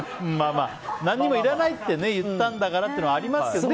何もいらないって言ったんだからっていうのはありますけどね。